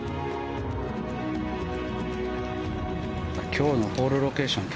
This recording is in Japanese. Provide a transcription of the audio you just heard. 今日のホールロケーション